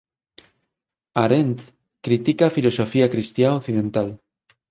Arendt critica a filosofía cristiá occidental.